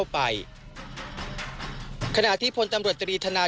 จอบประเด็นจากรายงานของคุณศักดิ์สิทธิ์บุญรัฐครับ